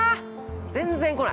全然来ない！